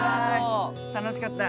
楽しかった！